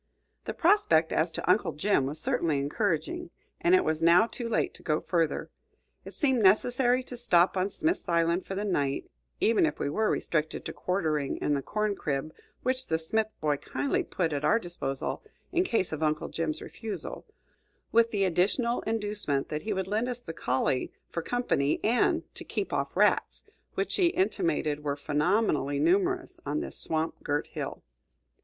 The prospect as to Uncle Jim was certainly encouraging, and it was now too late to go further. It seemed necessary to stop on Smith's Island for the night, even if we were restricted to quartering in the corn crib which the Smith boy kindly put at our disposal in case of Uncle Jim's refusal, with the additional inducement that he would lend us the collie for company and to "keep off rats," which he intimated were phenomenally numerous on this swamp girt hill.